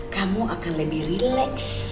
kamu akan lebih relax